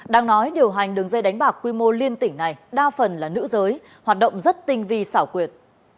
đang nói điều hành đường dây đánh bạc quy mô liên tỉnh này đa phần là nữ giới hoạt động rất tinh vi xảo quyệt